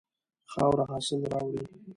خاوره حاصل راوړي.